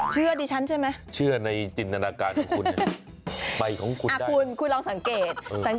เชื่อที่ฉันใช่ไหมเชื่อในจินทางส